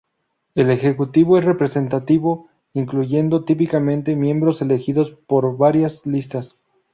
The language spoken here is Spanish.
El ejecutivo es representativo, incluyendo típicamente miembros elegidos por varias listas.